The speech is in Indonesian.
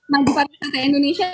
manjurkan di pantai indonesia